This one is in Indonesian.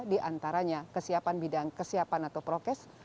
di antaranya kesiapan bidang kesiapan atau prokes